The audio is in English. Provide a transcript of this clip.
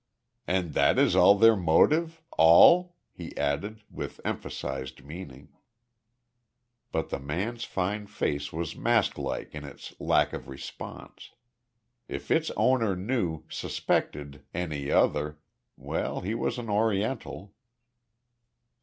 "And that is all their motive all?" he added, with emphasised meaning. But the man's fine face was mask like in its lack of response. If its owner knew suspected any other well, he was an Oriental.